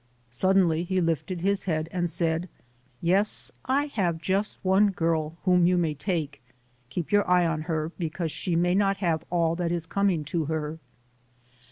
Suddenly he lifted his head and said, "Yes, I have just one girl whom you may take; keep your eye on her because she may not have all that is coming to her".